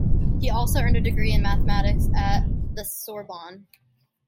He also earned a degree in mathematics at the Sorbonne.